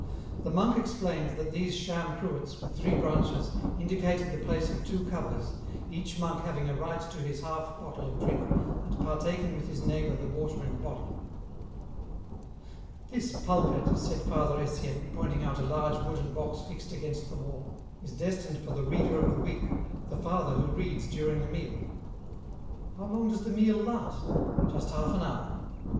The monk explained that these sham cruets with three branches indicated the place of two covers, each EN ROUTE. 289 monk having a right to his half bottle of drink, and partaking with his neighbour the water in the bottle. " This pulpit," said Father Etienne, pointing out a large wooden box fixed against the wall, '* is destined for the reader of the week, the father who reads during the meal." " How long does the meal last ?"" Just half an hour."